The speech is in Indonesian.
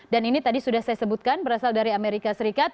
dan ini tadi sudah saya sebutkan berasal dari amerika serikat